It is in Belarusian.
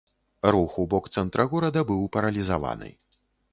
Рух у бок цэнтра горада быў паралізаваны.